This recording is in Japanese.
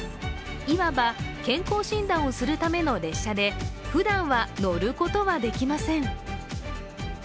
いわば健康診断をするための列車で、ふだんは乗ることができません。